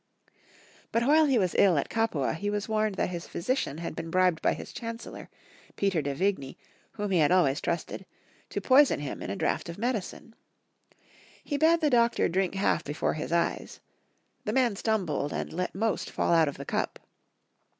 But while he was ill at Capua, he was warned that his physician had been bribed by his chancellor, Peter de Vigni, whom he had always trusted, to poison him in a draught of medicine. He bade the doctor drink half before his eyes. The man stum bled, and let most fall out of the cup.